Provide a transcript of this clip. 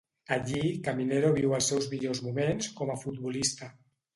Allí Caminero viu els seus millors moments com a futbolista.